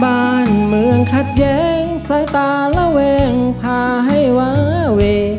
บ้านเมืองขัดแย้งสายตาระแวงพาให้วาเว